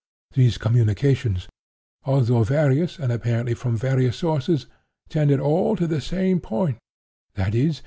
These communications, although various and apparently from various sources, tended all to the same point—viz.